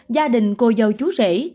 gia đình cô dâu chú rể